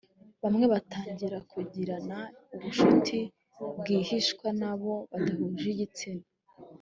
bamwe batangira kugirana ubucuti rwihishwa n’abo badahuje igitsina